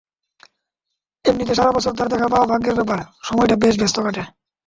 এমনিতে সারা বছর তাঁর দেখা পাওয়া ভাগ্যের ব্যাপার, সময়টা বেশ ব্যস্ত কাটে।